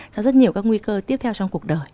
cho rất nhiều các nguy cơ tiếp theo trong cuộc đời